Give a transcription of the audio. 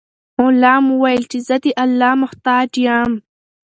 غلام وویل چې زه د الله محتاج یم.